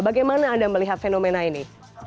bagaimana anda melihat fenomena ini